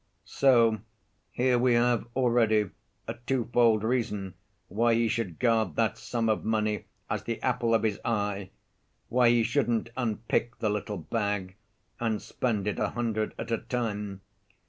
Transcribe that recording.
So here we have already a twofold reason why he should guard that sum of money as the apple of his eye, why he shouldn't unpick the little bag, and spend it a hundred at a time.